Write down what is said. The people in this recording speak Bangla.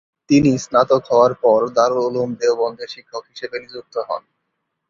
তিনি স্নাতক হওয়ার পর দারুল উলুম দেওবন্দে শিক্ষক হিসেবে নিযুক্ত হন।